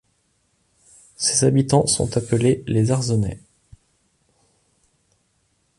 Ses habitants sont appelés les Arzenais.